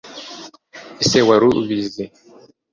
Ese wari ubizi?